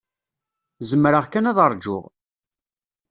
Zemreɣ kan ad ṛjuɣ.